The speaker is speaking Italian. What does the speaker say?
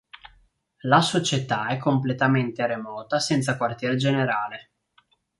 La società è completamente remota senza quartier generale.